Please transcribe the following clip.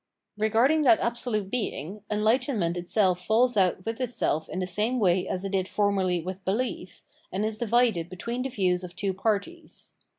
Regarding that Absolute Being, enlightenment itself falls out with itself in the same way as it did formerly with behef, and is divided between the views of two parties.